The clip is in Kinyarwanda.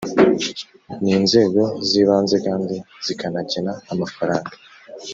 n inzego z ibanze kandi zikanagena amafaranga